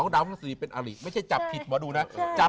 ๒ดาวประจำตัวเป็นอริไม่ใช่จับผิดหมอดูนะ